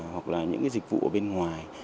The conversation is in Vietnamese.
hoặc là những cái dịch vụ ở bên ngoài